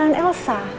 bukan itu itu apa